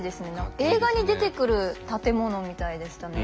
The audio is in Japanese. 映画に出てくる建物みたいでしたね。